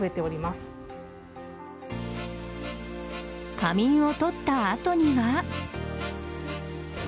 仮眠を取った後には。